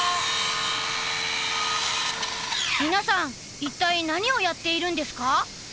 皆さん一体何をやっているんですか？